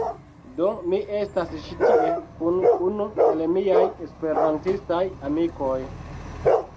Do, mi estas ĉi tie kun unu el miaj esperantistaj amikoj